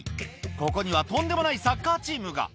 ここにはとんでもサッカーチームが。